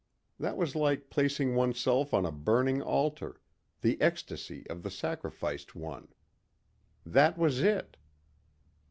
That was like placing oneself on a burning altar the ecstacy of the sacrificed one. That was it.